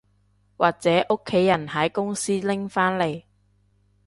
或者屋企人喺公司拎返嚟